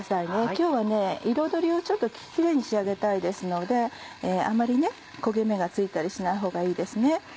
今日は彩りをきれいに仕上げたいですのであまり焦げ目がついたりしない方がいいですね。